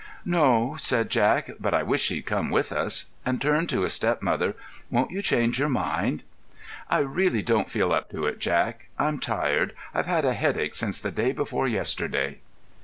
"No," said Jack; "but I wish she'd come with us," and he turned to his stepmother. "Won't you change your mind?" "I really don't feel up to it, Jack. I'm tired—I've had a headache since the day before yesterday."